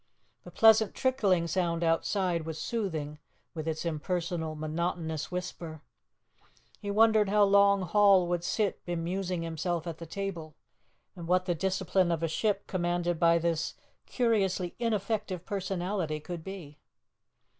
The pleasant trickling sound outside was soothing, with its impersonal, monotonous whisper. He wondered how long Hall would sit bemusing himself at the table, and what the discipline of a ship commanded by this curiously ineffective personality could be.